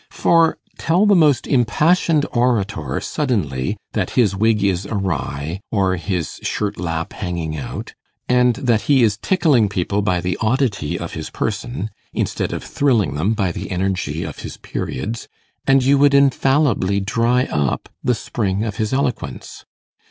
For, tell the most impassioned orator, suddenly, that his wig is awry, or his shirt lap hanging out, and that he is tickling people by the oddity of his person, instead of thrilling them by the energy of his periods, and you would infallibly dry up the spring of his eloquence.